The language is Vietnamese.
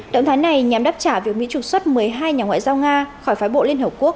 động thái này nhằm đáp trả việc mỹ trục xuất một mươi hai nhà ngoại giao nga khỏi phái bộ liên hợp quốc